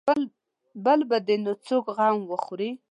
بل به دې نو څوک غم وخوري.